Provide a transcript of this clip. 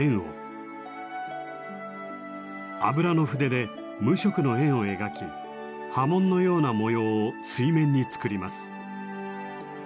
油の筆で無色の円を描き波紋のような模様を水面に作ります。